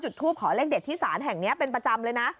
ทูปขอเลขเด็ดที่ศาลแห่งนี้เป็นประจำเลยนะ